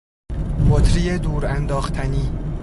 بطری دورانداختنی